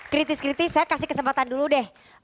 kritis kritis saya kasih kesempatan dulu deh